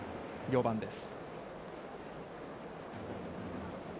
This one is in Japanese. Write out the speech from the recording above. ４番です。